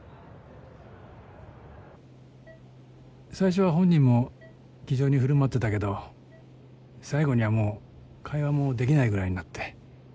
最初は本人も気丈に振る舞ってたけど最後にはもう会話もできないぐらいになって。